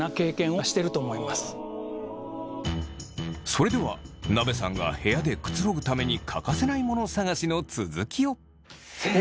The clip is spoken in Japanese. それではなべさんが部屋でくつろぐために欠かせないモノ探しの続きを。